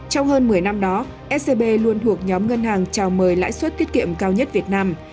trong hơn một mươi năm đó scb luôn thuộc nhóm ngân hàng trào mời lãi suất tiết kiệm cao nhất việt nam